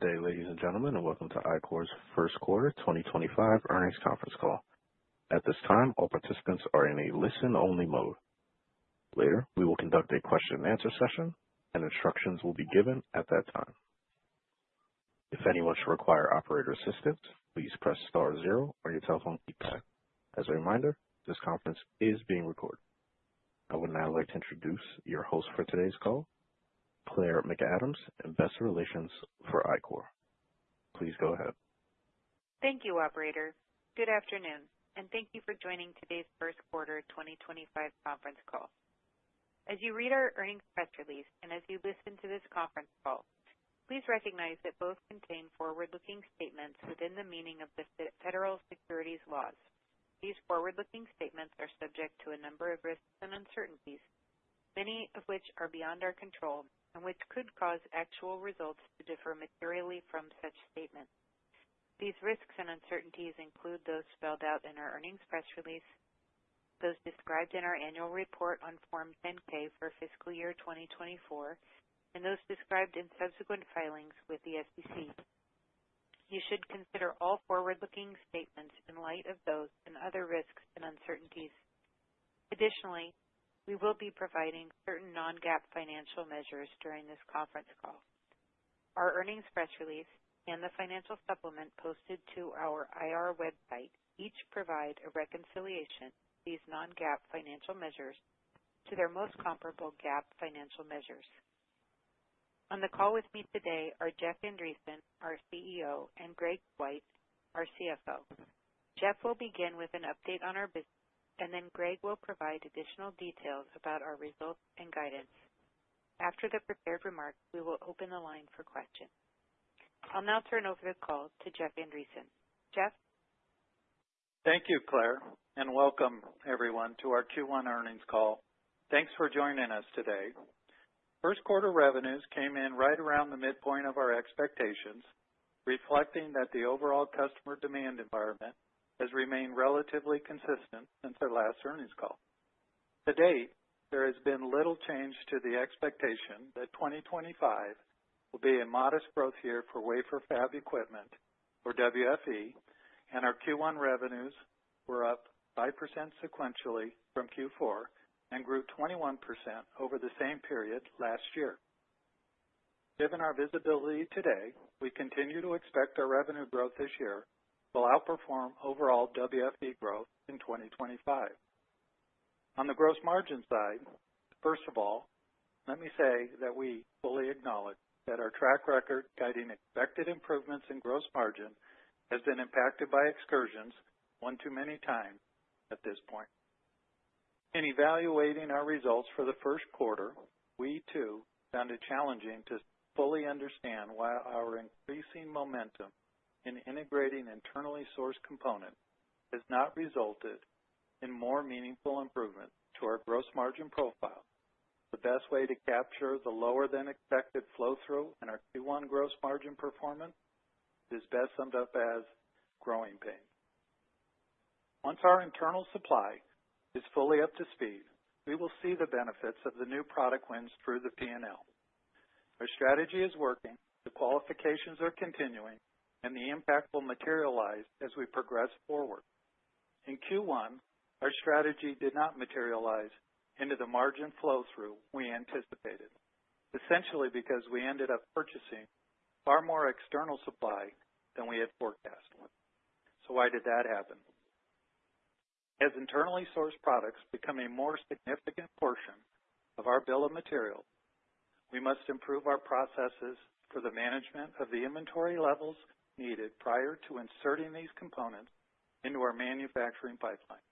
Good day, ladies and gentlemen, and welcome to Ichor's First Quarter 2025 Earnings Conference Call. At this time, all participants are in a listen-only mode. Later, we will conduct a question-and-answer session, and instructions will be given at that time. If anyone should require operator assistance, please press star zero on your telephone keypad. As a reminder, this conference is being recorded. I would now like to introduce your hosts for today's call, Claire McAdams and Investor Relations for Ichor. Please go ahead. Thank you, operators. Good afternoon, and thank you for joining today's first quarter 2025 conference call. As you read our earnings press release and as you listen to this conference call, please recognize that both contain forward-looking statements within the meaning of the federal securities laws. These forward-looking statements are subject to a number of risks and uncertainties, many of which are beyond our control and which could cause actual results to differ materially from such statements. These risks and uncertainties include those spelled out in our earnings press release, those described in our annual report on Form 10-K for fiscal year 2024, and those described in subsequent filings with the SEC. You should consider all forward-looking statements in light of those and other risks and uncertainties. Additionally, we will be providing certain non-GAAP financial measures during this conference call. Our earnings press release and the financial supplement posted to our IR website each provide a reconciliation of these non-GAAP financial measures to their most comparable GAAP financial measures. On the call with me today are Jeff Andreson, our CEO, and Greg Swyt, our CFO. Jeff will begin with an update on our business, and then Greg will provide additional details about our results and guidance. After the prepared remarks, we will open the line for questions. I'll now turn over the call to Jeff Andreson. Jeff. Thank you, Claire, and welcome everyone to our Q1 earnings call. Thanks for joining us today. First quarter revenues came in right around the midpoint of our expectations, reflecting that the overall customer demand environment has remained relatively consistent since our last earnings call. To date, there has been little change to the expectation that 2025 will be a modest growth year for wafer fab equipment, or WFE, and our Q1 revenues were up 5% sequentially from Q4 and grew 21% over the same period last year. Given our visibility today, we continue to expect our revenue growth this year will outperform overall WFE growth in 2025. On the gross margin side, first of all, let me say that we fully acknowledge that our track record guiding expected improvements in gross margin has been impacted by excursions one too many times at this point. In evaluating our results for the first quarter, we too found it challenging to fully understand why our increasing momentum in integrating internally sourced components has not resulted in more meaningful improvements to our gross margin profile. The best way to capture the lower-than-expected flow-through in our Q1 gross margin performance is best summed up as growing pain. Once our internal supply is fully up to speed, we will see the benefits of the new product wins through the P&L. Our strategy is working, the qualifications are continuing, and the impact will materialize as we progress forward. In Q1, our strategy did not materialize into the margin flow-through we anticipated, essentially because we ended up purchasing far more external supply than we had forecast. Why did that happen? As internally sourced products become a more significant portion of our bill of materials, we must improve our processes for the management of the inventory levels needed prior to inserting these components into our manufacturing pipeline.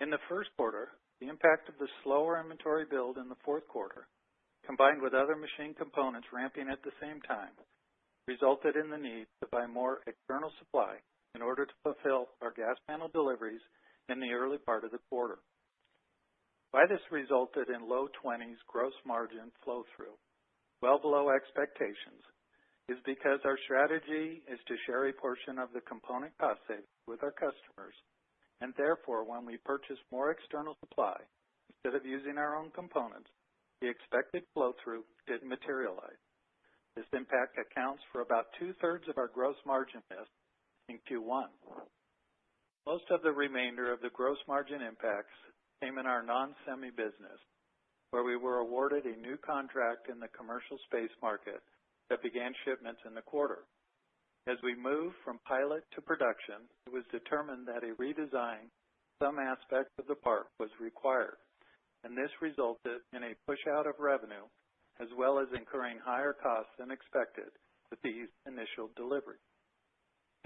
In the first quarter, the impact of the slower inventory build in the fourth quarter, combined with other machine components ramping at the same time, resulted in the need to buy more external supply in order to fulfill our gas panel deliveries in the early part of the quarter. Why this resulted in low 20s % gross margin flow-through, well below expectations, is because our strategy is to share a portion of the component cost savings with our customers, and therefore, when we purchased more external supply instead of using our own components, the expected flow-through did not materialize. This impact accounts for about two-thirds of our gross margin miss in Q1. Most of the remainder of the gross margin impacts came in our non-Semi business, where we were awarded a new contract in the commercial space market that began shipments in the quarter. As we moved from pilot to production, it was determined that a redesign of some aspect of the part was required, and this resulted in a push-out of revenue as well as incurring higher costs than expected with these initial deliveries.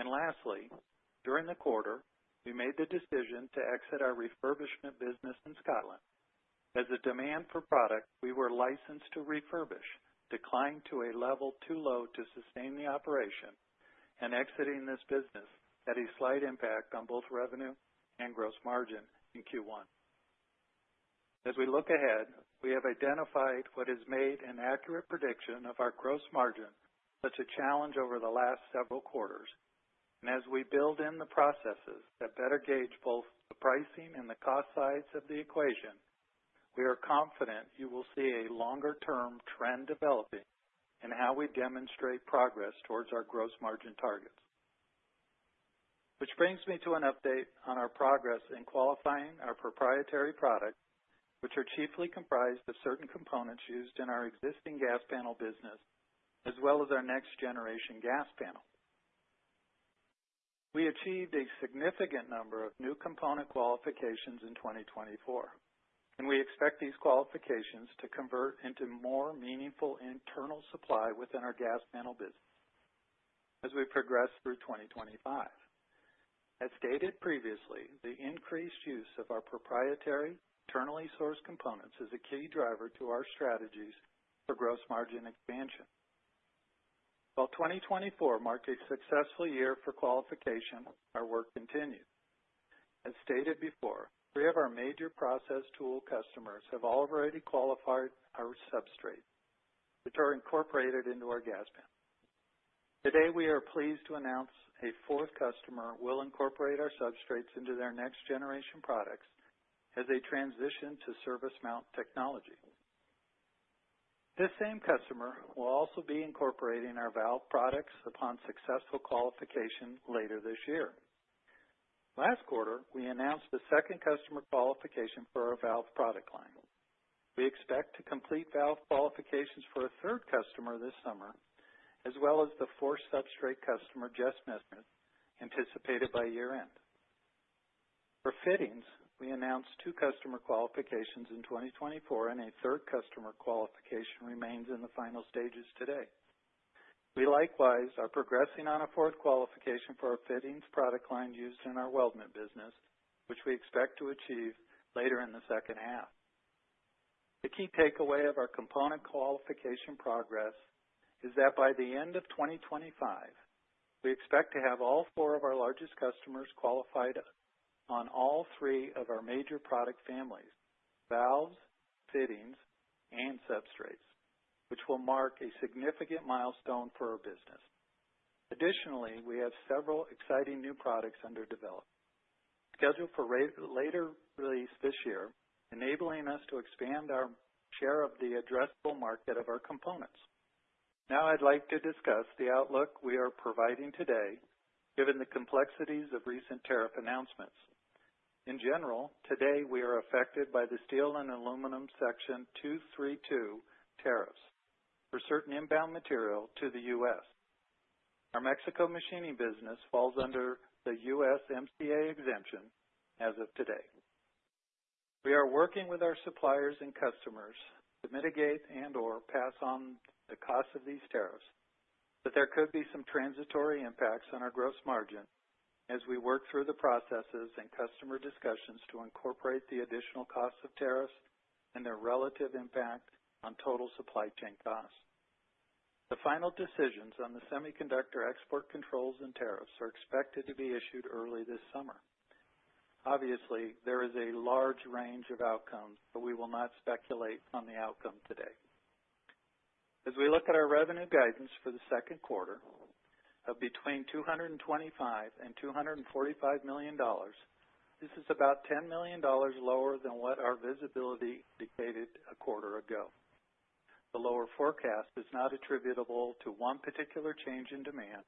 Lastly, during the quarter, we made the decision to exit our refurbishment business in Scotland. As the demand for product we were licensed to refurbish declined to a level too low to sustain the operation, exiting this business had a slight impact on both revenue and gross margin in Q1. As we look ahead, we have identified what has made an accurate prediction of our gross margin such a challenge over the last several quarters, and as we build in the processes that better gauge both the pricing and the cost sides of the equation, we are confident you will see a longer-term trend developing in how we demonstrate progress towards our gross margin targets. This brings me to an update on our progress in qualifying our proprietary products, which are chiefly comprised of certain components used in our existing gas panel business as well as our next-generation gas panel. We achieved a significant number of new component qualifications in 2024, and we expect these qualifications to convert into more meaningful internal supply within our gas panel business as we progress through 2025. As stated previously, the increased use of our proprietary internally sourced components is a key driver to our strategies for gross margin expansion. While 2024 marked a successful year for qualification, our work continued. As stated before, three of our major process tool customers have already qualified our substrates, which are incorporated into our gas panel. Today, we are pleased to announce a fourth customer will incorporate our substrates into their next-generation products as they transition to surface mount technology. This same customer will also be incorporating our valve products upon successful qualification later this year. Last quarter, we announced the second customer qualification for our valve product line. We expect to complete valve qualifications for a third customer this summer, as well as the fourth substrate customer just missed, anticipated by year-end. For fittings, we announced two customer qualifications in 2024, and a third customer qualification remains in the final stages today. We likewise are progressing on a fourth qualification for our fittings product line used in our weldment business, which we expect to achieve later in the second half. The key takeaway of our component qualification progress is that by the end of 2025, we expect to have all four of our largest customers qualified on all three of our major product families: valves, fittings, and substrates, which will mark a significant milestone for our business. Additionally, we have several exciting new products under development scheduled for later release this year, enabling us to expand our share of the addressable market of our components. Now, I'd like to discuss the outlook we are providing today, given the complexities of recent tariff announcements. In general, today we are affected by the steel and aluminum Section 232 tariffs for certain inbound material to the U.S. Our Mexico machining business falls under the U.SMCA exemption as of today. We are working with our suppliers and customers to mitigate and/or pass on the costs of these tariffs, but there could be some transitory impacts on our gross margin as we work through the processes and customer discussions to incorporate the additional costs of tariffs and their relative impact on total supply chain costs. The final decisions on the Semiconductor export controls and tariffs are expected to be issued early this summer. Obviously, there is a large range of outcomes, but we will not speculate on the outcome today. As we look at our revenue guidance for the second quarter of between $225 million and $245 million, this is about $10 million lower than what our visibility dictated a quarter ago. The lower forecast is not attributable to one particular change in demand,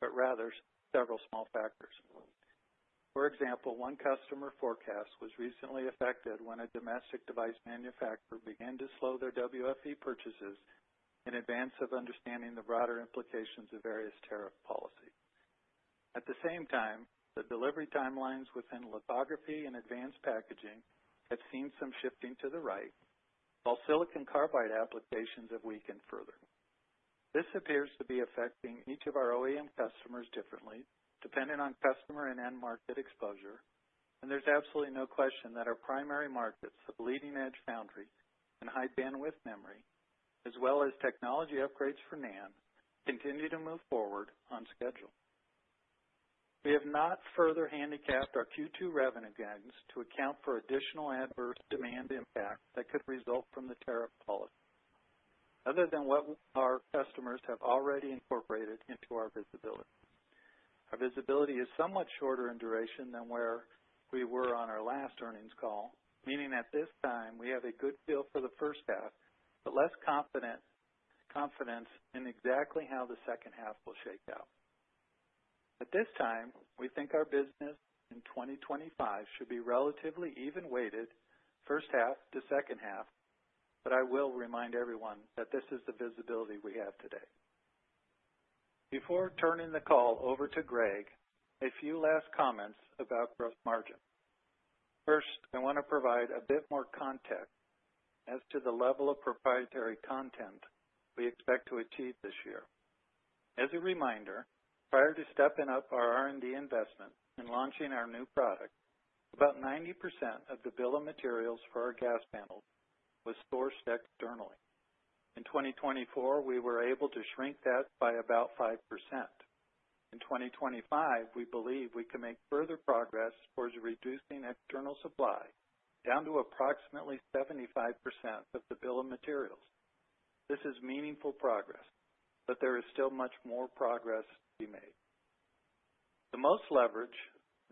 but rather several small factors. For example, one customer forecast was recently affected when a domestic device manufacturer began to slow their WFE purchases in advance of understanding the broader implications of various tariff policies. At the same time, the delivery timelines within lithography and advanced packaging have seen some shifting to the right, while silicon carbide applications have weakened further. This appears to be affecting each of our OEM customers differently, depending on customer and end market exposure, and there's absolutely no question that our primary markets of leading-edge foundry and high bandwidth memory, as well as technology upgrades for NAND, continue to move forward on schedule. We have not further handicapped our Q2 revenue guidance to account for additional adverse demand impact that could result from the tariff policy, other than what our customers have already incorporated into our visibility. Our visibility is somewhat shorter in duration than where we were on our last earnings call, meaning at this time we have a good feel for the first half, but less confidence in exactly how the second half will shake out. At this time, we think our business in 2025 should be relatively even-weighted first half to second half, but I will remind everyone that this is the visibility we have today. Before turning the call over to Greg, a few last comments about gross margin. First, I want to provide a bit more context as to the level of proprietary content we expect to achieve this year. As a reminder, prior to stepping up our R&D investment in launching our new product, about 90% of the bill of materials for our gas panels was sourced externally. In 2024, we were able to shrink that by about 5%. In 2025, we believe we can make further progress towards reducing external supply down to approximately 75% of the bill of materials. This is meaningful progress, but there is still much more progress to be made. The most leverage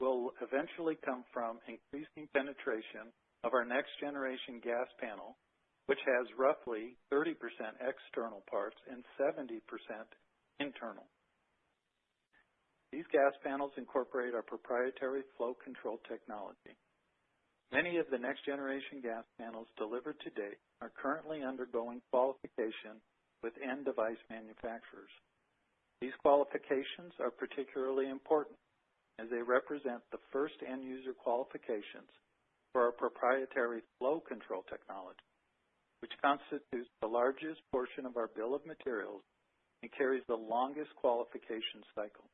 will eventually come from increasing penetration of our next-generation gas panel, which has roughly 30% external parts and 70% internal. These gas panels incorporate our proprietary flow control technology. Many of the next-generation gas panels delivered to date are currently undergoing qualification with end device manufacturers. These qualifications are particularly important as they represent the first end user qualifications for our proprietary flow control technology, which constitutes the largest portion of our bill of materials and carries the longest qualification cycle,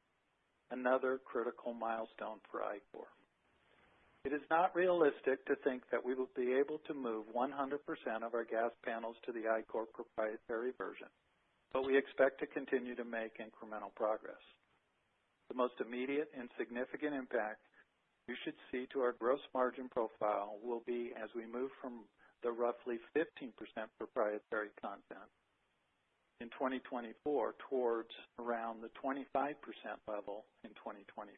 another critical milestone for Ichor. It is not realistic to think that we will be able to move 100% of our gas panels to the Ichor proprietary version, but we expect to continue to make incremental progress. The most immediate and significant impact we should see to our gross margin profile will be as we move from the roughly 15% proprietary content in 2024 towards around the 25% level in 2025.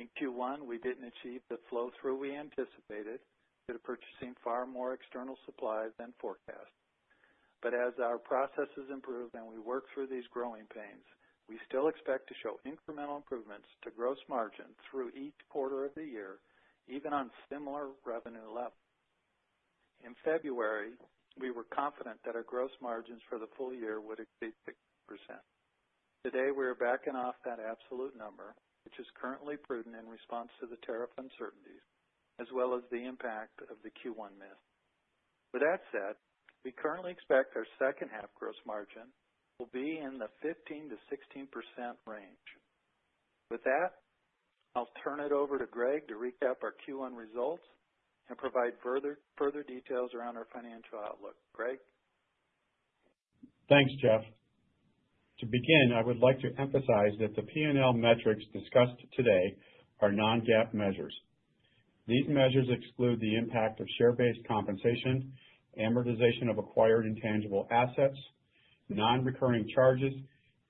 In Q1, we did not achieve the flow-through we anticipated due to purchasing far more external supply than forecast, but as our processes improve and we work through these growing pains, we still expect to show incremental improvements to gross margin through each quarter of the year, even on similar revenue levels. In February, we were confident that our gross margins for the full year would exceed 60%. Today, we are backing off that absolute number, which is currently prudent in response to the tariff uncertainties as well as the impact of the Q1 miss. With that said, we currently expect our second half gross margin will be in the 15-16% range. With that, I'll turn it over to Greg to recap our Q1 results and provide further details around our financial outlook. Greg? Thanks, Jeff. To begin, I would like to emphasize that the P&L metrics discussed today are non-GAAP measures. These measures exclude the impact of share-based compensation, amortization of acquired intangible assets, non-recurring charges,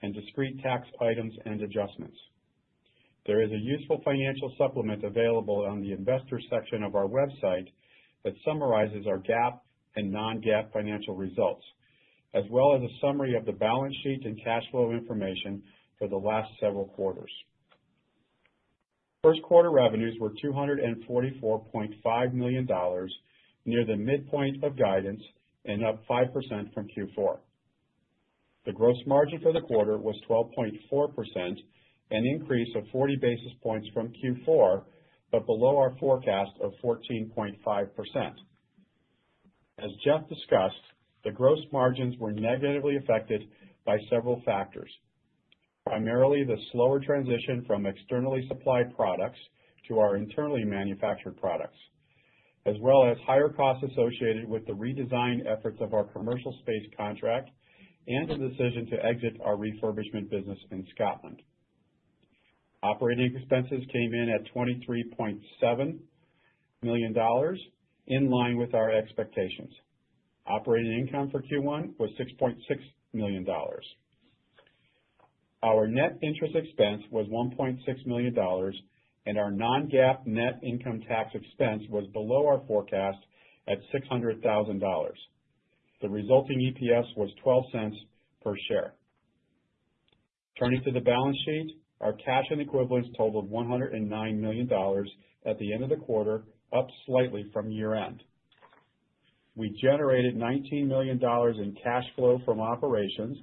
and discrete tax items and adjustments. There is a useful financial supplement available on the investor section of our website that summarizes our GAAP and non-GAAP financial results, as well as a summary of the balance sheet and cash flow information for the last several quarters. First quarter revenues were $244.5 million, near the midpoint of guidance and up 5% from Q4. The gross margin for the quarter was 12.4%, an increase of 40 basis points from Q4, but below our forecast of 14.5%. As Jeff discussed, the gross margins were negatively affected by several factors, primarily the slower transition from externally supplied products to our internally manufactured products, as well as higher costs associated with the redesign efforts of our commercial space contract and the decision to exit our refurbishment business in Scotland. Operating expenses came in at $23.7 million, in line with our expectations. Operating income for Q1 was $6.6 million. Our net interest expense was $1.6 million, and our non-GAAP net income tax expense was below our forecast at $600,000. The resulting EPS was $0.12 per share. Turning to the balance sheet, our cash and equivalents totaled $109 million at the end of the quarter, up slightly from year-end. We generated $19 million in cash flow from operations,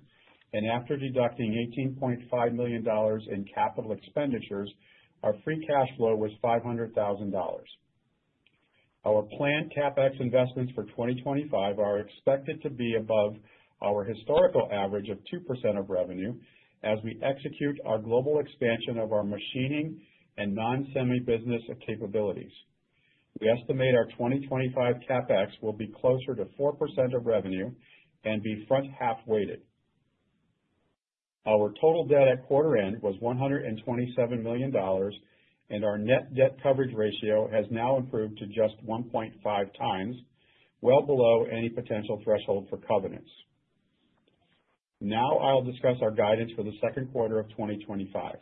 and after deducting $18.5 million in capital expenditures, our free cash flow was $500,000. Our planned CapEx investments for 2025 are expected to be above our historical average of 2% of revenue as we execute our global expansion of our machining and non-Semi business capabilities. We estimate our 2025 CapEx will be closer to 4% of revenue and be front-half weighted. Our total debt at quarter-end was $127 million, and our net debt coverage ratio has now improved to just 1.5 times, well below any potential threshold for covenants. Now, I'll discuss our guidance for the second quarter of 2025.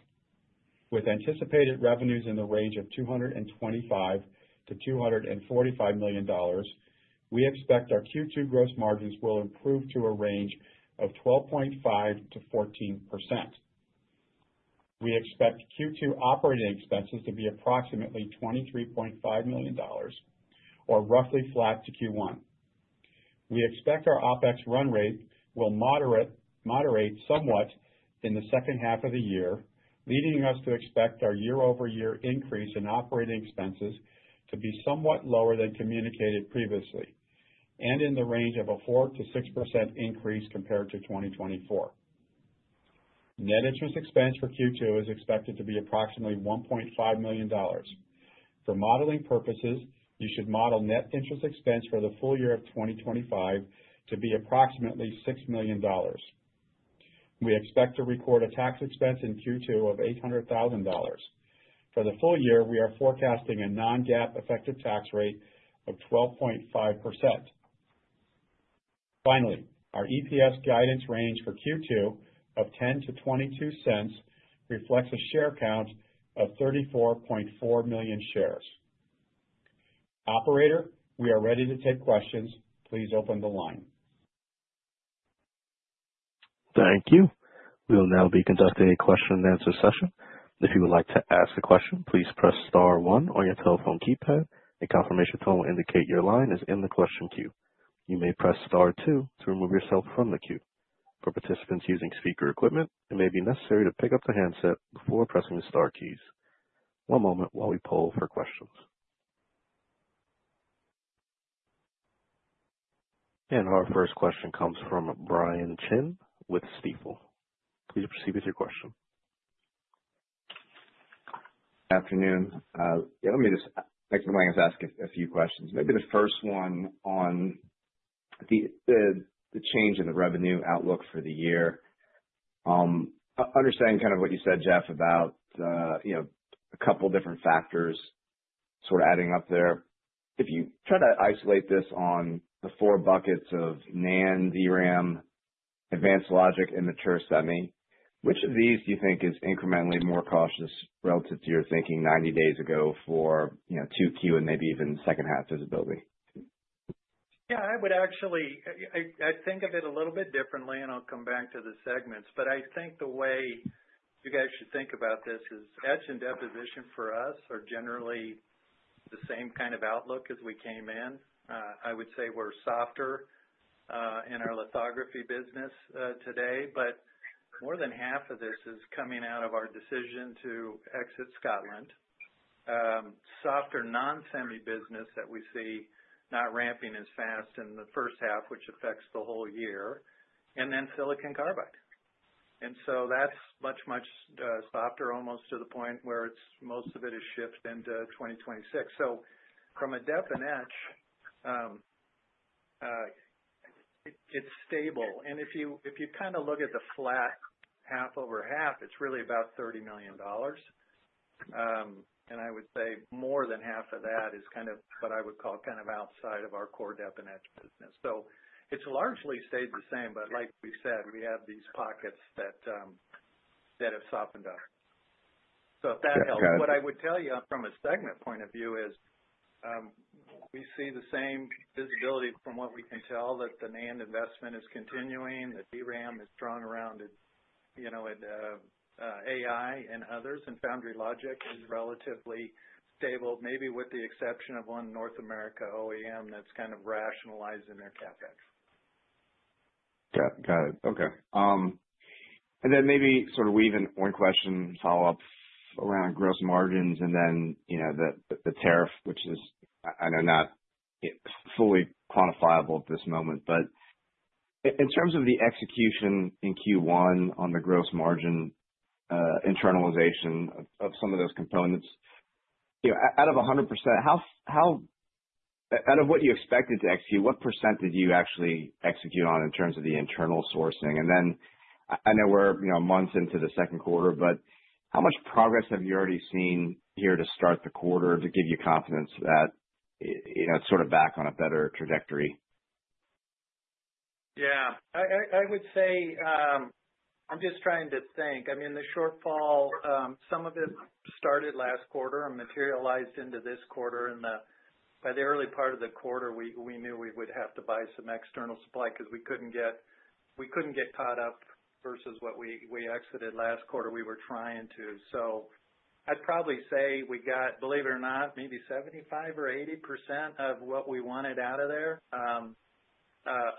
With anticipated revenues in the range of $225-$245 million, we expect our Q2 gross margins will improve to a range of 12.5%-14%. We expect Q2 operating expenses to be approximately $23.5 million, or roughly flat to Q1. We expect our OpEx run rate will moderate somewhat in the second half of the year, leading us to expect our year-over-year increase in operating expenses to be somewhat lower than communicated previously, and in the range of a 4%-6% increase compared to 2024. Net interest expense for Q2 is expected to be approximately $1.5 million. For modeling purposes, you should model net interest expense for the full year of 2025 to be approximately $6 million. We expect to record a tax expense in Q2 of $800,000. For the full year, we are forecasting a non-GAAP effective tax rate of 12.5%. Finally, our EPS guidance range for Q2 of $0.10-$0.22 reflects a share count of 34.4 million shares. Operator, we are ready to take questions. Please open the line. Thank you. We will now be conducting a question-and-answer session. If you would like to ask a question, please press Star 1 on your telephone keypad. A confirmation tone will indicate your line is in the question queue. You may press Star 2 to remove yourself from the queue. For participants using speaker equipment, it may be necessary to pick up the handset before pressing the Star keys. One moment while we poll for questions. Our first question comes from Brian Chin with Stifel. Please proceed with your question. Good afternoon. Yeah, let me just, I guess, ask a few questions. Maybe the first one on the change in the revenue outlook for the year. Understanding kind of what you said, Jeff, about a couple of different factors sort of adding up there. If you try to isolate this on the four buckets of NAND, DRAM, Advanced Logic, and Mature Semi, which of these do you think is incrementally more cautious relative to your thinking 90 days ago for Q2 and maybe even second half visibility? Yeah, I would actually think of it a little bit differently, and I'll come back to the segments, but I think the way you guys should think about this is etch and deposition for us are generally the same kind of outlook as we came in. I would say we're softer in our lithography business today, but more than half of this is coming out of our decision to exit Scotland. Softer non-Semi business that we see not ramping as fast in the first half, which affects the whole year, and then silicon carbide. That is much, much softer, almost to the point where most of it has shifted into 2026. From a Dep and etch, it is stable. If you kind of look at the flat half over half, it is really about $30 million. I would say more than half of that is kind of what I would call kind of outside of our core Dep and etch business. It has largely stayed the same, but like we said, we have these pockets that have softened up. If that helps. What I would tell you from a segment point of view is we see the same visibility from what we can tell that the NAND investment is continuing, the DRAM is drawn around AI and others, and Foundry Logic is relatively stable, maybe with the exception of one North America OEM that is kind of rationalizing their CapEx. Got it. Okay. And then maybe sort of weave in one question follow-up around gross margins and then the tariff, which is, I know, not fully quantifiable at this moment, but in terms of the execution in Q1 on the gross margin internalization of some of those components, out of 100%, out of what you expected to execute, what percent did you actually execute on in terms of the internal sourcing? I know we're months into the second quarter, but how much progress have you already seen here to start the quarter to give you confidence that it's sort of back on a better trajectory? Yeah. I would say I'm just trying to think. I mean, the shortfall, some of it started last quarter and materialized into this quarter. By the early part of the quarter, we knew we would have to buy some external supply because we could not get caught up versus what we exited last quarter we were trying to. I would probably say we got, believe it or not, maybe 75% or 80% of what we wanted out of there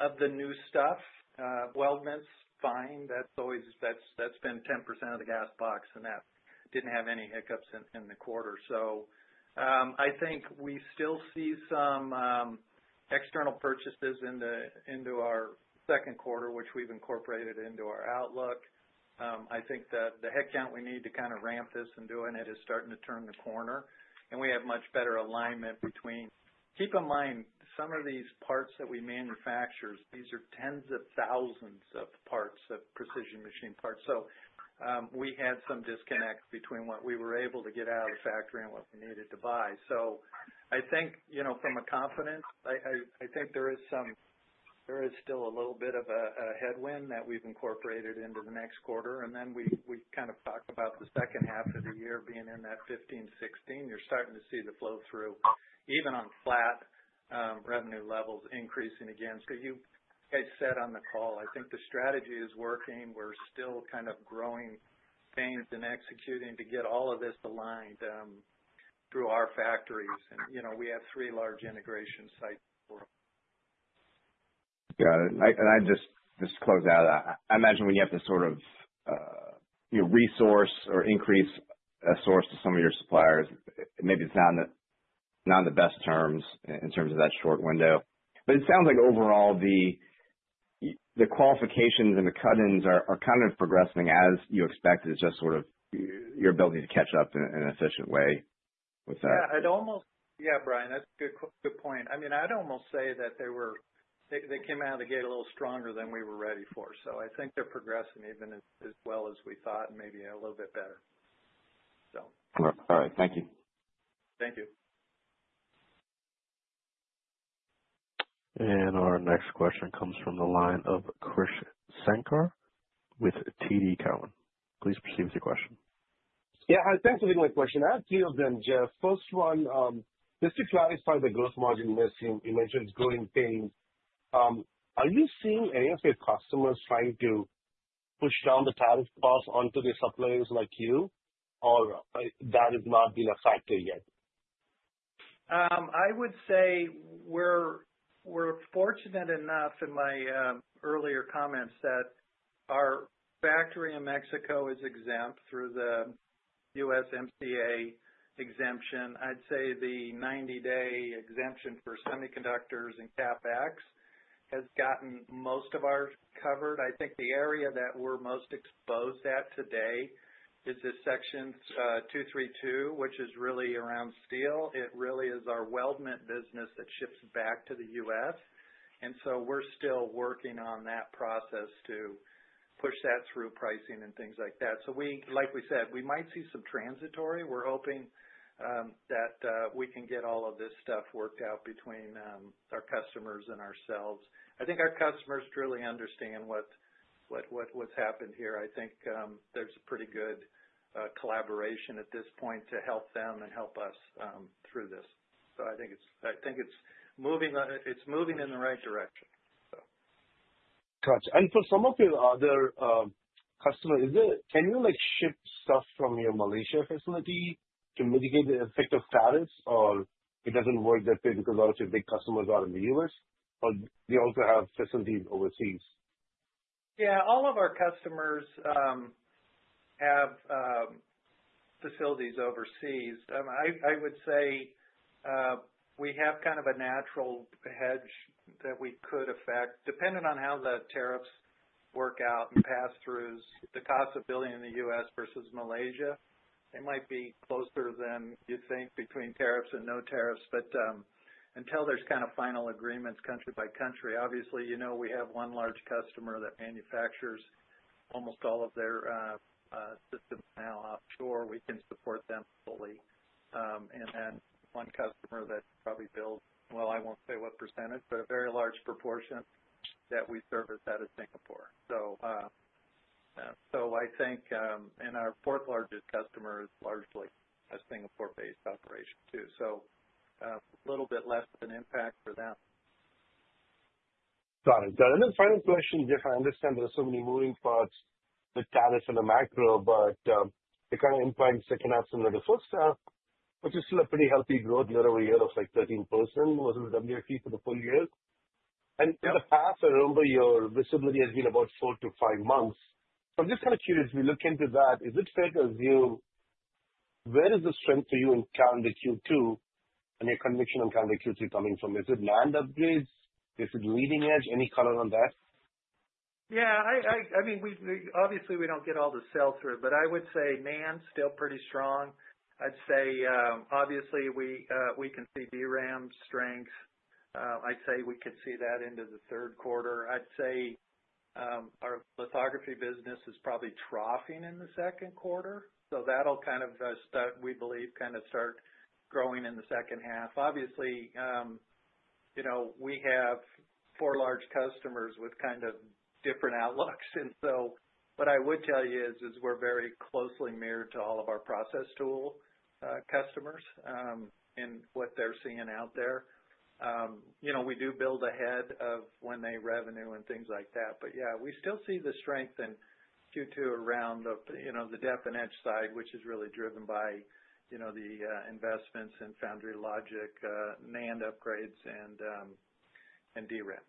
of the new stuff. Weldments, fine. That has been 10% of the gas box, and that did not have any hiccups in the quarter. I think we still see some external purchases into our second quarter, which we have incorporated into our outlook. I think that the headcount we need to kind of ramp this and doing it is starting to turn the corner, and we have much better alignment between. Keep in mind, some of these parts that we manufacture, these are tens of thousands of parts of precision machine parts. We had some disconnect between what we were able to get out of the factory and what we needed to buy. I think from a confidence, I think there is still a little bit of a headwind that we've incorporated into the next quarter. We kind of talked about the second half of the year being in that 15-16. You're starting to see the flow-through, even on flat revenue levels, increasing against. As you guys said on the call, I think the strategy is working. We're still kind of growing things and executing to get all of this aligned through our factories. We have three large integration sites for. Got it. I'd just close out. I imagine when you have to sort of resource or increase a source to some of your suppliers, maybe it's not in the best terms in terms of that short window. But it sounds like overall, the qualifications and the cuttings are kind of progressing as you expected just sort of your ability to catch up in an efficient way with that. Yeah, Brian, that's a good point. I mean, I'd almost say that they came out of the gate a little stronger than we were ready for. I think they're progressing even as well as we thought and maybe a little bit better, so. All right. Thank you. Thank you. Our next question comes from the line of Krish Sankar with TD Cowen. Please proceed with your question. Yeah. I'll tackle the question. I have two of them, Jeff. First one, just to clarify the gross margin missing, you mentioned growing pains. Are you seeing any of your customers trying to push down the tariff cost onto their suppliers like you, or that has not been a factor yet? I would say we're fortunate enough in my earlier comments that our factory in Mexico is exempt through the U.SMCA exemption. I'd say the 90-day exemption for Semiconductors and CapEx has gotten most of ours covered. I think the area that we're most exposed at today is the Section 232, which is really around steel. It really is our weldment business that ships back to the U.S. We are still working on that process to push that through pricing and things like that. Like we said, we might see some transitory. We are hoping that we can get all of this stuff worked out between our customers and ourselves. I think our customers truly understand what's happened here. I think there's a pretty good collaboration at this point to help them and help us through this. I think it's moving in the right direction. Gotcha. For some of your other customers, can you ship stuff from your Malaysia facility to mitigate the effect of tariffs, or does it not work that way because a lot of your big customers are in the U.S., or do you also have facilities overseas? Yeah. All of our customers have facilities overseas. I would say we have kind of a natural hedge that we could affect. Depending on how the tariffs work out and pass-throughs, the cost of building in the U.S. versus Malaysia, they might be closer than you think between tariffs and no tariffs. Until there are kind of final agreements country by country, obviously, we have one large customer that manufactures almost all of their systems now offshore. We can support them fully. Then one customer that probably builds, I will not say what percentage, but a very large proportion that we service out of Singapore. I think our fourth-largest customer is largely a Singapore-based operation too. A little bit less of an impact for them. Got it. Got it. Final question, Jeff, I understand there are so many moving parts, the tariff and the macro, but it kind of impacts second half and the first half, which is still a pretty healthy growth, nearer a year of like 13% versus WFE for the full year. In the past, I remember your visibility has been about four to five months. I'm just kind of curious, if we look into that, is it fair to assume where is the strength for you in calendar Q2 and your conviction on calendar Q3 coming from? Is it NAND upgrades? Is it leading edge? Any color on that? Yeah. I mean, obviously, we don't get all the sales through, but I would say NAND's still pretty strong. I'd say, obviously, we can see DRAM strength. I'd say we could see that into the third quarter. I'd say our lithography business is probably troughing in the second quarter. That'll kind of start, we believe, kind of start growing in the second half. Obviously, we have four large customers with kind of different outlooks. What I would tell you is we're very closely mirrored to all of our process tool customers and what they're seeing out there. We do build ahead of when they revenue and things like that. Yeah, we still see the strength in Q2 around the depth and etch side, which is really driven by the investments in Foundry Logic, NAND upgrades, and DRAM.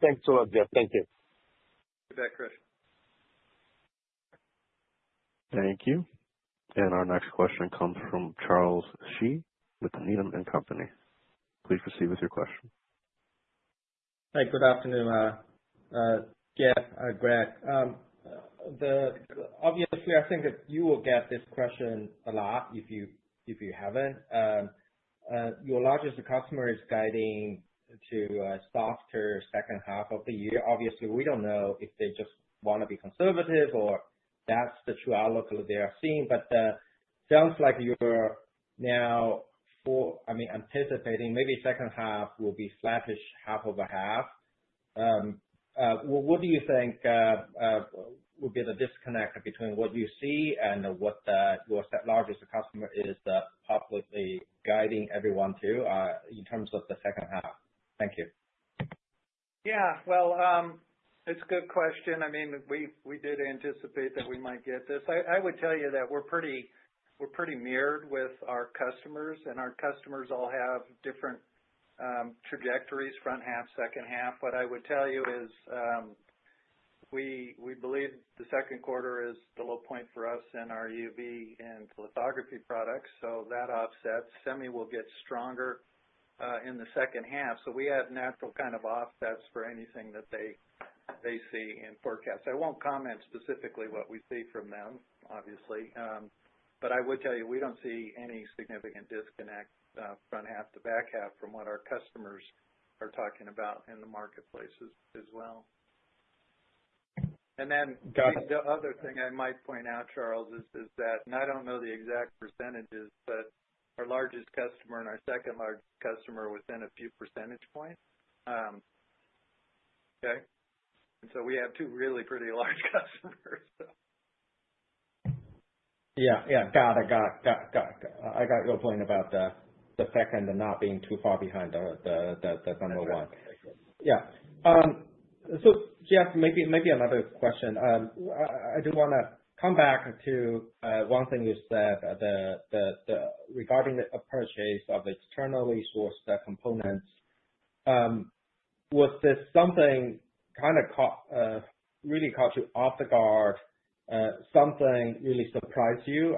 Thanks a lot, Jeff. Thank you. You bet, Chris. Thank you. Our next question comes from Charles Shi with Needham & Company. Please proceed with your question. Hi. Good afternoon, Jeff, Greg. Obviously, I think that you will get this question a lot if you haven't. Your largest customer is guiding to a softer second half of the year. Obviously, we don't know if they just want to be conservative or that's the true outlook that they are seeing. It sounds like you're now, I mean, anticipating maybe second half will be slattish half over half. What do you think would be the disconnect between what you see and what your largest customer is publicly guiding everyone to in terms of the second half? Thank you. Yeah. It is a good question. I mean, we did anticipate that we might get this. I would tell you that we are pretty mirrored with our customers, and our customers all have different trajectories, front half, second half. What I would tell you is we believe the second quarter is the low point for us in our EUV and lithography products. That offsets. Semi will get stronger in the second half. We have natural kind of offsets for anything that they see in forecasts. I will not comment specifically what we see from them, obviously. I would tell you we do not see any significant disconnect, front half to back half, from what our customers are talking about in the marketplace as well. The other thing I might point out, Charles, is that, and I do not know the exact percentages, but our largest customer and our second-largest customer are within a few percentage points. Okay? We have two really pretty large customers. Yeah. Got it. Got it. I got your point about the second and not being too far behind the number one. Yeah. Jeff, maybe another question. I do want to come back to one thing you said regarding the purchase of externally sourced components. Was this something that really caught you off guard? Something really surprised you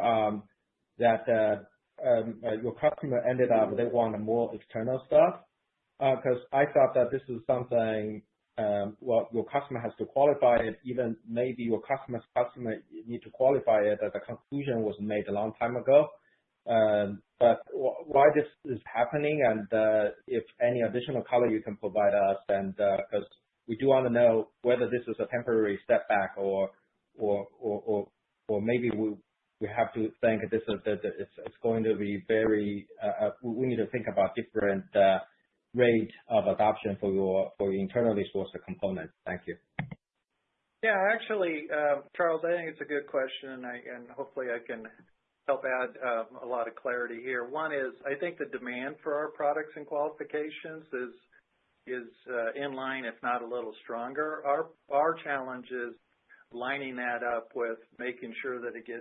that your customer ended up they wanted more external stuff? Because I thought that this is something, well, your customer has to qualify it, even maybe your customer's customer needs to qualify it, that the conclusion was made a long time ago. Why this is happening and if any additional color you can provide us. Because we do want to know whether this is a temporary setback or maybe we have to think this is going to be very we need to think about different rates of adoption for your internally sourced components. Thank you. Yeah. Actually, Charles, I think it's a good question, and hopefully, I can help add a lot of clarity here. One is I think the demand for our products and qualifications is in line, if not a little stronger. Our challenge is lining that up with making sure that it gets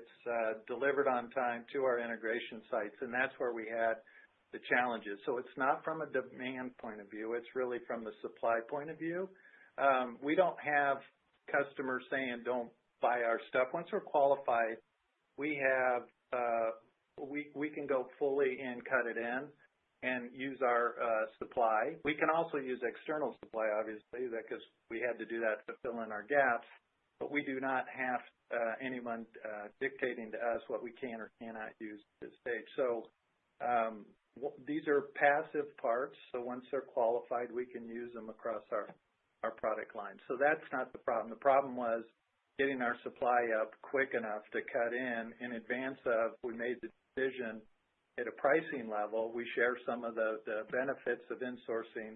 delivered on time to our integration sites. That is where we had the challenges. It is not from a demand point of view. It is really from the supply point of view. We do not have customers saying, "Do not buy our stuff." Once we are qualified, we can go fully and cut it in and use our supply. We can also use external supply, obviously, because we had to do that to fill in our gaps. We do not have anyone dictating to us what we can or cannot use at this stage. These are passive parts. Once they are qualified, we can use them across our product line. That is not the problem. The problem was getting our supply up quick enough to cut in in advance of when we made the decision at a pricing level. We share some of the benefits of insourcing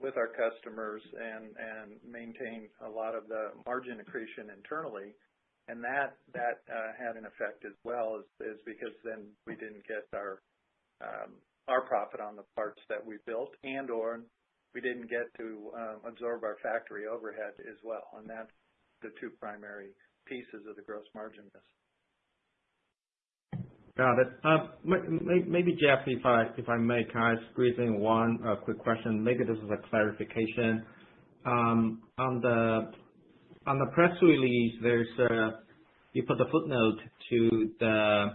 with our customers and maintain a lot of the margin accretion internally. That had an effect as well because we did not get our profit on the parts that we built, and/or we did not get to absorb our factory overhead as well. That is the two primary pieces of the gross margins. Got it. Maybe, Jeff, if I may, can I squeeze in one quick question? Maybe this is a clarification. On the press release, you put the footnote to the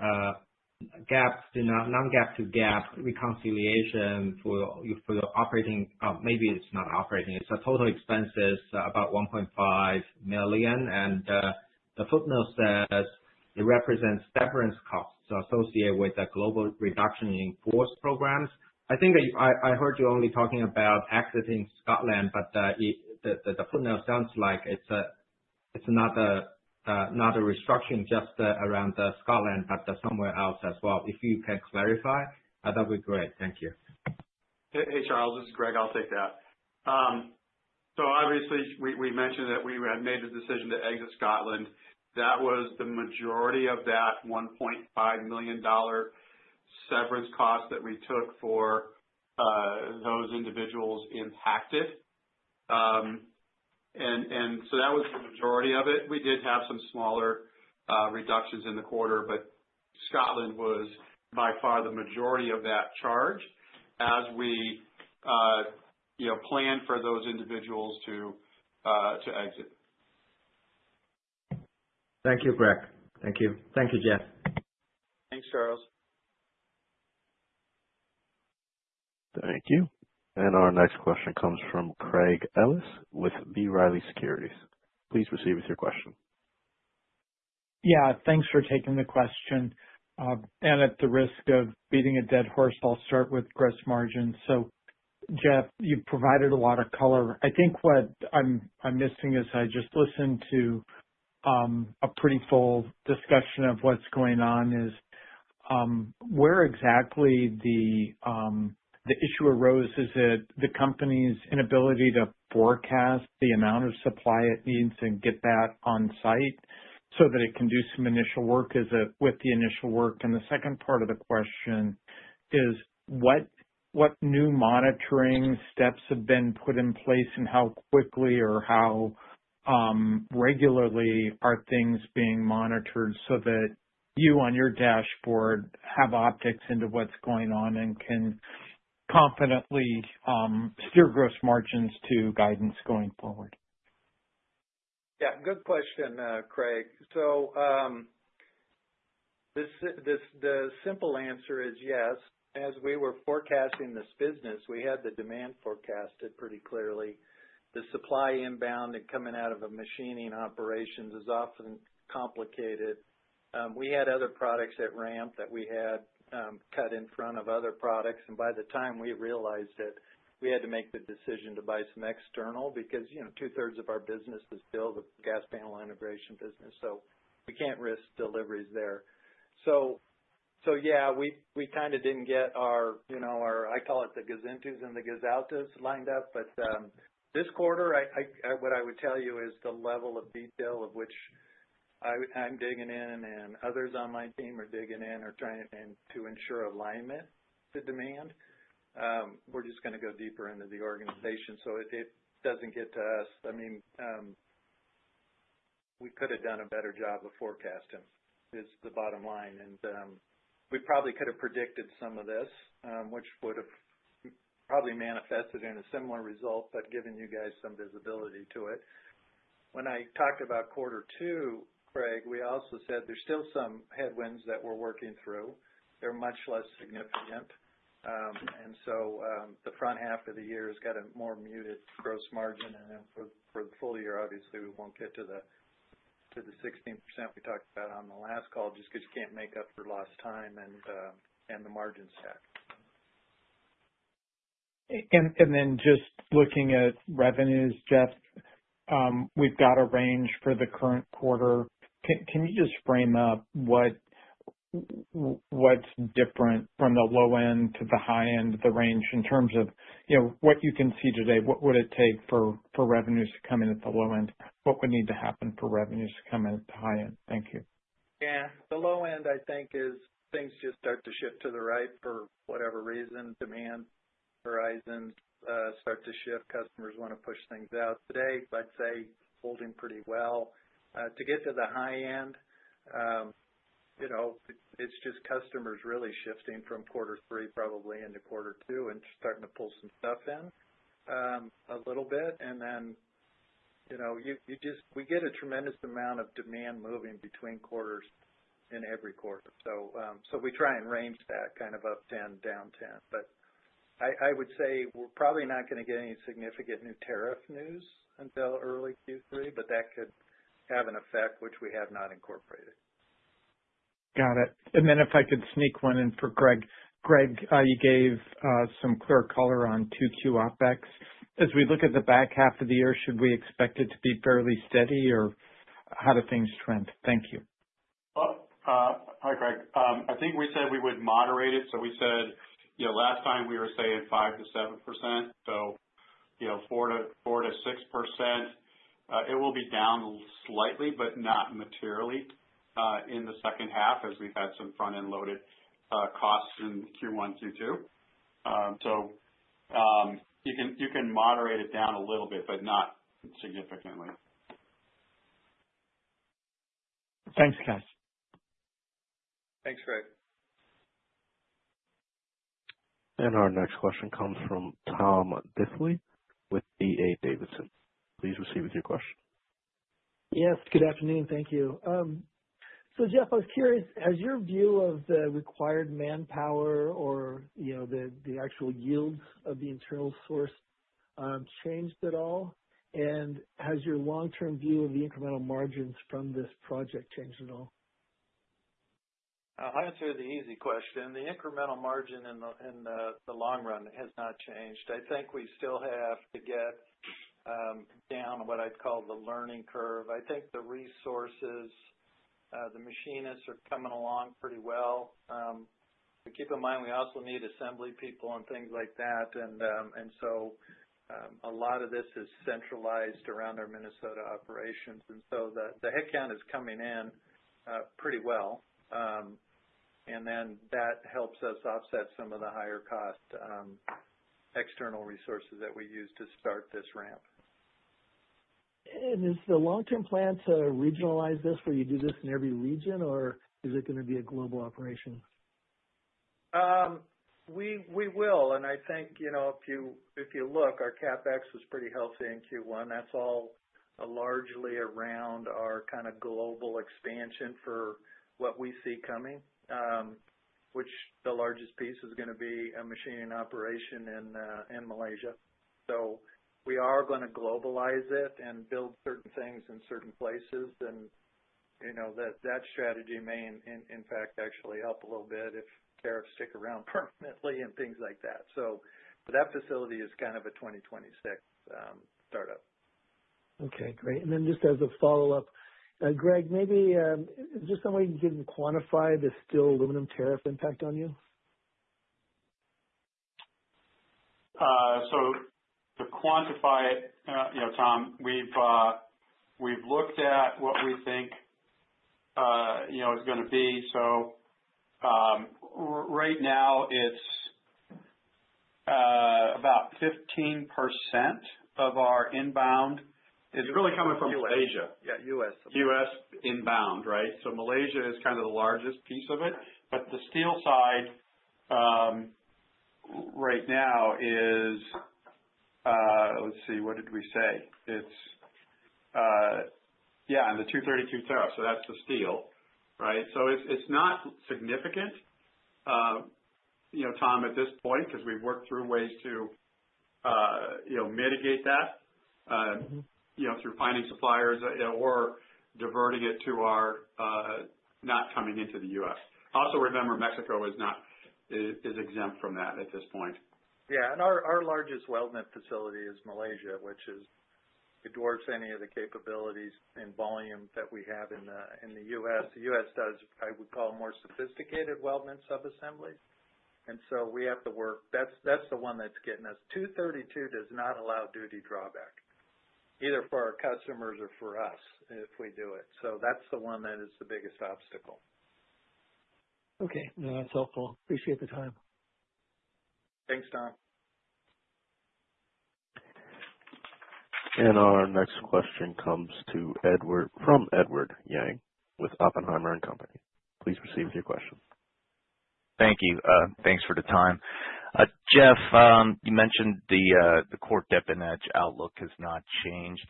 non-GAAP-to-GAAP reconciliation for your operating—maybe it is not operating. It is total expenses about $1.5 million. The footnote says it represents severance costs associated with the global reduction in force programs. I think I heard you only talking about exiting Scotland, but the footnote sounds like it is not a restructuring just around Scotland, but somewhere else as well. If you can clarify, that would be great. Thank you. Hey, Charles. This is Greg. I will take that. Obviously, we mentioned that we had made a decision to exit Scotland. That was the majority of that $1.5 million severance cost that we took for those individuals impacted. That was the majority of it. We did have some smaller reductions in the quarter, but Scotland was by far the majority of that charge as we planned for those individuals to exit. Thank you, Greg. Thank you. Thank you, Jeff. Thanks, Charles. Thank you. Our next question comes from Craig Ellis with B. Riley Securities. Please proceed with your question. Yeah. Thanks for taking the question. At the risk of beating a dead horse, I'll start with gross margins. Jeff, you've provided a lot of color. I think what I'm missing as I just listened to a pretty full discussion of what's going on is where exactly the issue arose? Is it the company's inability to forecast the amount of supply it needs and get that on site so that it can do some initial work? Is it with the initial work? The second part of the question is what new monitoring steps have been put in place and how quickly or how regularly are things being monitored so that you on your dashboard have optics into what's going on and can confidently steer gross margins to guidance going forward? Good question, Craig. The simple answer is yes. As we were forecasting this business, we had the demand forecasted pretty clearly. The supply inbound and coming out of machining operations is often complicated. We had other products at ramp that we had cut in front of other products. By the time we realized it, we had to make the decision to buy some external because two-thirds of our business is still the gas panel integration business. We can't risk deliveries there. Yeah, we kind of didn't get our—I call it the gazantos and the gazaltos lined up. This quarter, what I would tell you is the level of detail of which I'm digging in and others on my team are digging in or trying to ensure alignment to demand. We're just going to go deeper into the organization. It doesn't get to us. I mean, we could have done a better job of forecasting. Is the bottom line. We probably could have predicted some of this, which would have probably manifested in a similar result, but giving you guys some visibility to it. When I talked about quarter two, Craig, we also said there's still some headwinds that we're working through. They're much less significant. The front half of the year has got a more muted gross margin. For the full year, obviously, we won't get to the 16% we talked about on the last call just because youcan't make up for lost time and the margin stack. Just looking at revenues, Jeff, we've got a range for the current quarter. Can you just frame up what's different from the low end to the high end of the range in terms of what you can see today? What would it take for revenues to come in at the low end? What would need to happen for revenues to come in at the high end? Thank you. Yeah. The low end, I think, is things just start to shift to the right for whatever reason. Demand horizons start to shift. Customers want to push things out. Today, I'd say, holding pretty well. To get to the high end, it's just customers really shifting from quarter three probably into quarter two and starting to pull some stuff in a little bit. Then we get a tremendous amount of demand moving between quarters in every quarter. We try and range that kind of up 10, down 10. I would say we're probably not going to get any significant new tariff news until early Q3, but that could have an effect, which we have not incorporated. Got it. If I could sneak one in for Greg. Greg, you gave some clear color on 2Q OpEx. As we look at the back half of the year, should we expect it to be fairly steady, or how do things trend? Thank you. Hi, Greg. I think we said we would moderate it. We said last time we were saying 5-7%. So 4-6%. It will be down slightly, but not materially in the second half as we've had some front-end loaded costs in Q1, Q2. You can moderate it down a little bit, but not significantly. Thanks, guys. Thanks, Greg. Our next question comes from Tom Difley with D.A. Davidson. Please proceed with your question. Yes. Good afternoon. Thank you. Jeff, I was curious, has your view of the required manpower or the actual yields of the internal source changed at all? Has your long-term view of the incremental margins from this project changed at all? I'll answer the easy question. The incremental margin in the long run has not changed. I think we still have to get down what I'd call the learning curve. I think the resources, the machinists are coming along pretty well. Keep in mind, we also need assembly people and things like that. A lot of this is centralized around our Minnesota operations. The headcount is coming in pretty well. That helps us offset some of the higher-cost external resources that we use to start this ramp. Is the long-term plan to regionalize this where you do this in every region, or is it going to be a global operation? We will. I think if you look, our CapEx was pretty healthy in Q1. That's all largely around our kind of global expansion for what we see coming, which the largest piece is going to be a machining operation in Malaysia. We are going to globalize it and build certain things in certain places. That strategy may, in fact, actually help a little bit if tariffs stick around permanently and things like that. That facility is kind of a 2026 startup. Okay. Great. Just as a follow-up, Greg, maybe is there some way you can quantify the steel aluminum tariff impact on you? To quantify it, Tom, we've looked at what we think is going to be. Right now, it's about 15% of our inbound. It's really coming from Malaysia. Yeah. U.S. U.S. inbound, right? Malaysia is kind of the largest piece of it. The steel side right now is—let's see. What did we say? Yeah. The 232 tariff, that's the steel, right? It's not significant, Tom, at this point, because we've worked through ways to mitigate that through finding suppliers or diverting it to our not coming into the U.S. Also, remember, Mexico is exempt from that at this point. Yeah. Our largest weldment facility is Malaysia, which dwarfs any of the capabilities in volume that we have in the U.S. The U.S. does, I would call, more sophisticated weldment sub-assemblies. We have to work—that's the one that's getting us. 232 does not allow duty drawback, either for our customers or for us if we do it. That's the one that is the biggest obstacle. Okay. No, that's helpful. Appreciate the time. Thanks, Tom. Our next question comes from Edward Yang with Oppenheimer & Company. Please proceed with your question. Thank you. Thanks for the time. Jeff, you mentioned the core depth and edge outlook has not changed.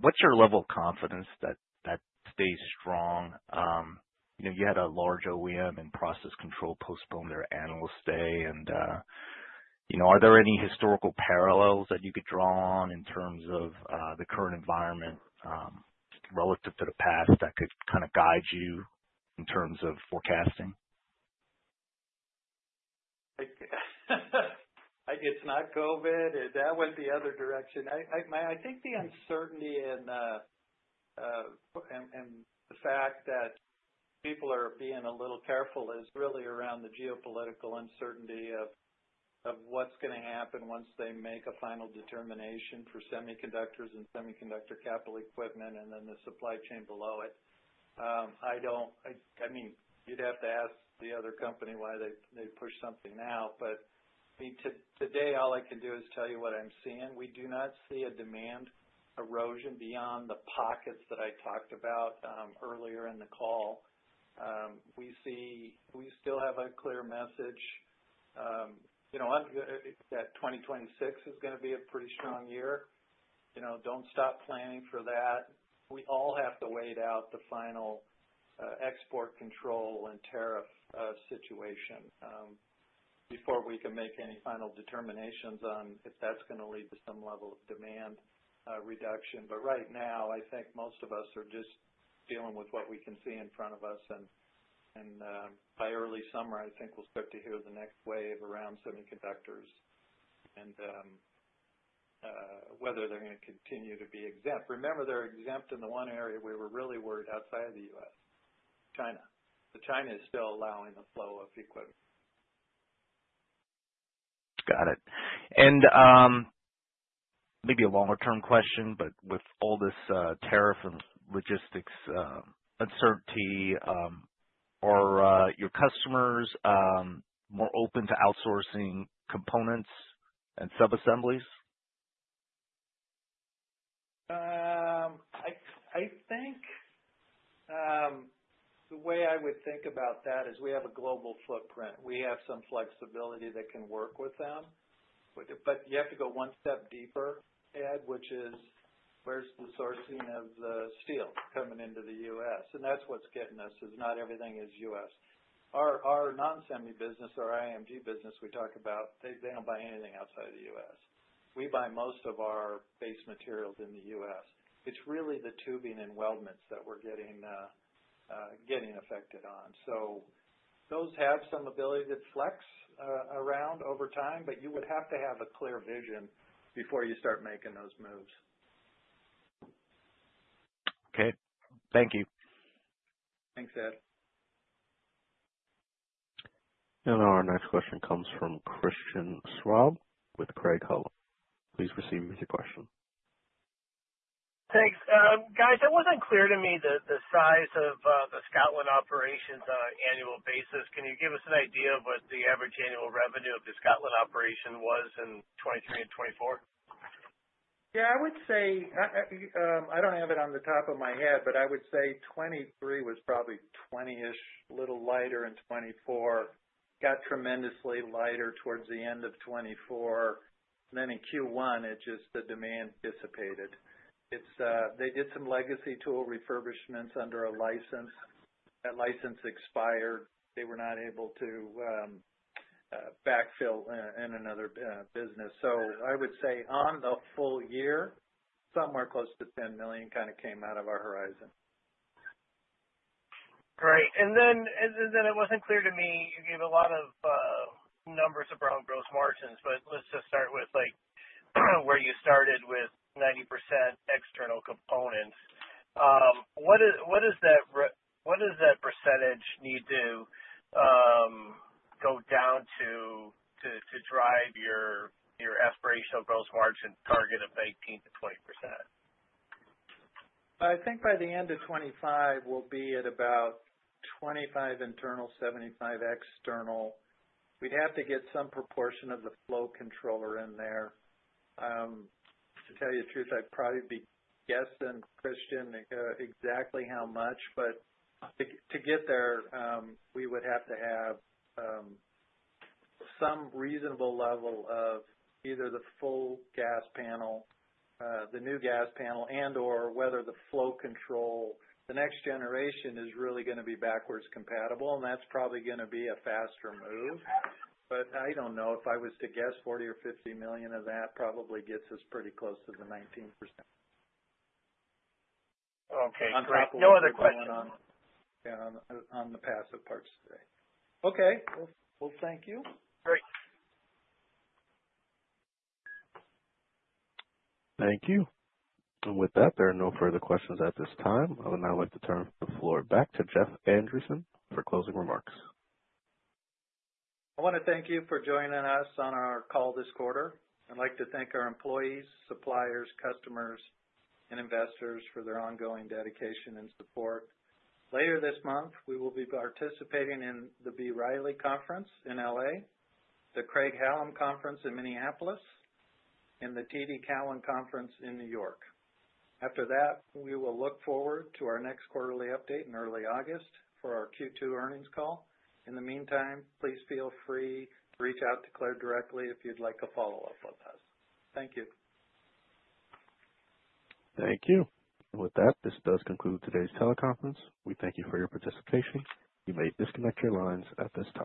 What's your level of confidence that stays strong? You had a large OEM and process control postpone their analyst day, and are there any historical parallels that you could draw on in terms of the current environment relative to the past that could kind of guide you in terms of forecasting? It's not COVID. That went the other direction. I think the uncertainty and the fact that people are being a little careful is really around the geopolitical uncertainty of what's going to happen once they make a final determination for Semiconductors and Semiconductor capital equipment and then the supply chain below it. I mean, you'd have to ask the other company why they push something now. Today, all I can do is tell you what I'm seeing. We do not see a demand erosion beyond the pockets that I talked about earlier in the call. We still have a clear message that 2026 is going to be a pretty strong year. Do not stop planning for that. We all have to wait out the final export control and tariff situation before we can make any final determinations on if that is going to lead to some level of demand reduction. Right now, I think most of us are just dealing with what we can see in front of us. By early summer, I think we will start to hear the next wave around Semiconductors and whether they are going to continue to be exempt. Remember, they are exempt in the one area we were really worried outside of the U.S., China. China is still allowing the flow of equipment. Got it. Maybe a longer-term question, but with all this tariff and logistics uncertainty, are your customers more open to outsourcing components and sub-assemblies? I think the way I would think about that is we have a global footprint. We have some flexibility that can work with them. You have to go one step deeper, Ed, which is where's the sourcing of the steel coming into the U.S.? That's what's getting us is not everything is U.S. Our non-Semi business, our IMG business we talk about, they do not buy anything outside of the U.S. We buy most of our base materials in the U.S. It's really the tubing and weldments that we're getting affected on. Those have some ability to flex around over time, but you would have to have a clear vision before you start making those moves. Okay. Thank you. Thanks, Ed. Our next question comes from Christian Schwab with Craig-Hallum. Please proceed with your question. Thanks. Guys, it was not clear to me the size of the Scotland operations on an annual basis. Can you give us an idea of what the average annual revenue of the Scotland operation was in 2023 and 2024? Yeah. I would say I do not have it on the top of my head, but I would say 2023 was probably $20 million-ish, a little lighter in 2024, got tremendously lighter towards the end of 2024. In Q1, the demand just dissipated. They did some legacy tool refurbishments under a license. That license expired. They were not able to backfill in another business. I would say on the full year, somewhere close to $10 million kind of came out of our horizon. Right. It was not clear to me. You gave a lot of numbers around gross margins, but let's just start with where you started with 90% external components. What does that percentage need to go down to to drive your aspirational gross margin target of 19-20%? I think by the end of 2025, we'll be at about 25% internal, 75% external. We'd have to get some proportion of the flow controller in there. To tell you the truth, I'd probably be guessing, Christian, exactly how much. To get there, we would have to have some reasonable level of either the full gas panel, the new gas panel, and/or whether the flow control. The next generation is really going to be backwards compatible, and that's probably going to be a faster move. I don't know. If I was to guess, $40 million or $50 million of that probably gets us pretty close to the 19%. Okay. Great. No other questions. Yeah. On the passive parts today. Thank you. Great. Thank you. With that, there are no further questions at this time. I would now like to turn the floor back to Jeff Andreson for closing remarks. I want to thank you for joining us on our call this quarter. I'd like to thank our employees, suppliers, customers, and investors for their ongoing dedication and support. Later this month, we will be participating in the B. Riley Conference in Los Angeles, the Craig-Hallum Conference in Minneapolis, and the TD Cowen Conference in New York. After that, we will look forward to our next quarterly update in early August for our Q2 earnings call. In the meantime, please feel free to reach out to Claire directly if you'd like a follow-up with us. Thank you. Thank you. With that, this does conclude today's teleconference. We thank you for your participation. You may disconnect your lines at this time.